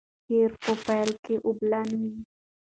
شیره په پیل کې اوبلنه وي.